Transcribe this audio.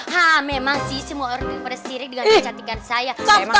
hah memang sih semua orang bersiri dengan kecantikan saya